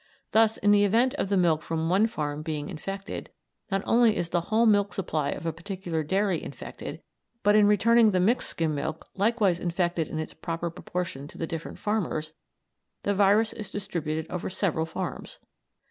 Thus, in the event of the milk from one farm being infected, not only is the whole milk supply of a particular dairy infected, but, in returning the mixed skim milk likewise infected in its proper proportion to the different farmers, the virus is distributed over several farms.